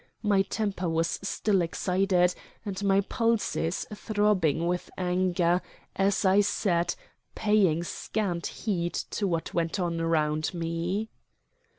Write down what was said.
My temper was still excited, and my pulses throbbing with anger, as I sat paying scant heed to what went on around me.